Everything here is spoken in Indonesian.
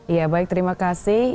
ya baik terima kasih